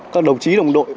các đồng chí đồng đội